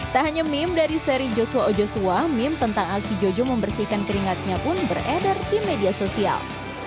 tak hanya meme dari seri joshua ojoswa meme tentang aksi jojo membersihkan keringatnya pun beredar di media sosial